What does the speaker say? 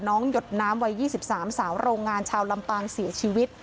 หยดน้ำวัย๒๓สาวโรงงานชาวลำปางเสียชีวิต